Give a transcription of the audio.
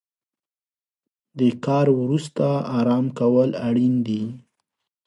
د کار وروسته ارام کول اړین دي.